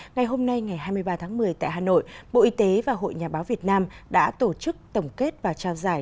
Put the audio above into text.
ngày hôm nay ngày hai mươi ba tháng một mươi tại hà nội bộ y tế và hội nhà báo việt nam đã tổ chức tổng kết và trao giải